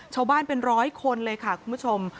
ชาวบ้านเป็นร้อยคนเลยค่ะคุณผู้ชม